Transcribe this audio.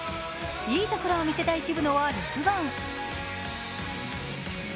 いいところを見せたい渋野は６番。